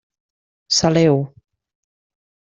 Saleu-ho.